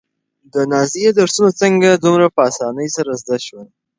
د نازيې درسونه څنګه دومره په اسانۍ سره زده شول؟